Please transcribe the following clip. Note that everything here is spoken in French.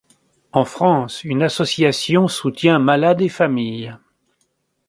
En France une association soutient malades et familles.